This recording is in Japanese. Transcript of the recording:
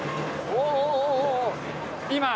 おお！